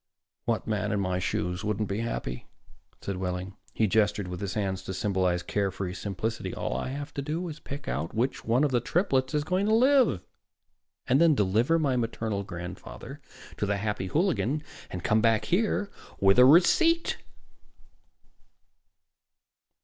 "What man in my shoes wouldn't be happy?" said Wehling. He gestured with his hands to symbolize care free simplicity. "All I have to do is pick out which one of the triplets is going to live, then deliver my maternal grandfather to the Happy Hooligan, and come back here with a receipt."